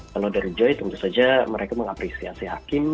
kalau dari joy tentu saja mereka mengapresiasi hakim